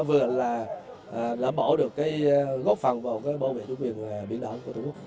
vừa là đảm bảo được góp phần vào bảo vệ chủ quyền biển đỏ của trung quốc